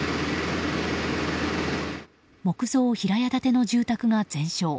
木造平屋建ての住宅が全焼。